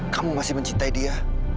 kamu masih mencintai dia